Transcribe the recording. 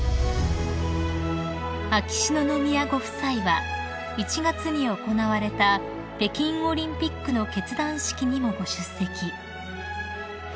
［秋篠宮ご夫妻は１月に行われた北京オリンピックの結団式にもご出席］